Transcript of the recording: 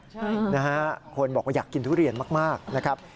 ใช่นะฮะคนบอกว่าอยากกินทุเรียนมากนะครับ